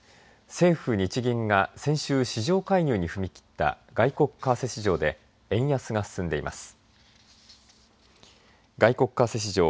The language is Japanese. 政府、日銀が先週、市場介入に踏み切った外国為替市場で円安が進んでいます。